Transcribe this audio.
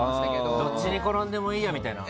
どっちに転んでもいいやみたいな。